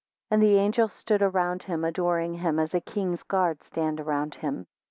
7 And the angels stood around him, adoring him, as a king's guards stand around him.